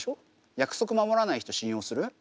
約束守らない人信用する？